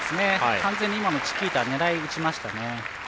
完全に今のチキータ狙い打ちましたね。